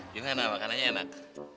gimana makanannya enak